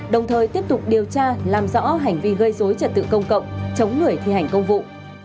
đồng thời tiếp tục điều tra làm rõ hành vi gây dối trật tự công cộng chống người thi hành công vụ